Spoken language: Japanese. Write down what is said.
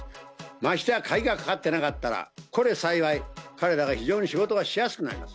ましてや、鍵がかかってなかったら、これ幸い、彼らが非常に仕事がしやすくなります。